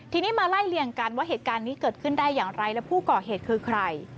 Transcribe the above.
ทีนี้มาไล่เลี่ยงกันว่าเหตุการณ์นี้เกิดขึ้นได้อย่างไรและผู้ก่อเหตุคือใคร